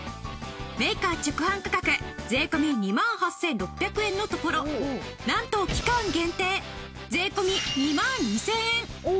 メーカー直販価格税込２万８６００円のところなんと期間限定税込２万２０００円。